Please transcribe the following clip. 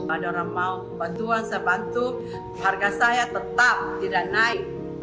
ada orang mau bantuan saya bantu harga saya tetap tidak naik